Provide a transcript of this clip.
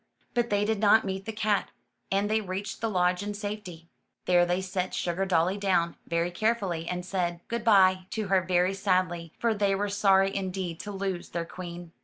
But they did not meet . the cat, and they reached the lodge in safety. There they set Sugardolly down, very carefully, and said, '*Good by,'' to her very sadly, for they were sorry indeed to lose their queen.